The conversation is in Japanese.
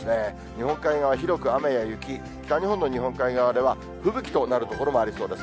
日本海側、広く雨や雪、北日本の日本海側では吹雪となる所もありそうです。